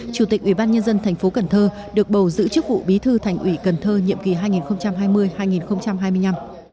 chủ tịch ủy ban nhân dân tp cn được bầu giữ chức vụ bí thư thành ủy cần thơ nhiệm kỳ hai nghìn hai mươi hai nghìn hai mươi năm